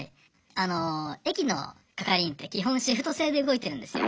あの駅の係員って基本シフト制で動いてるんですよ。